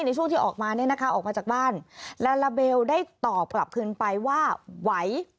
ในช่วงที่ออกมาเนี่ยนะคะออกมาจากบ้านลาลาเบลได้ตอบกลับคืนไปว่าไหว